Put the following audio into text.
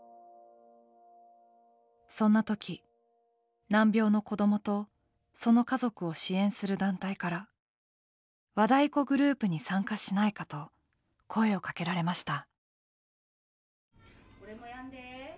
そんなとき難病の子どもとその家族を支援する団体から和太鼓グループに参加しないかと声をかけられました。